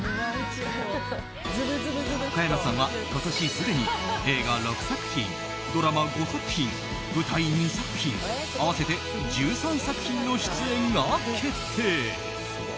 岡山さんは今年すでに映画６作品ドラマ５作品、舞台２作品合わせて１３作品の出演が決定。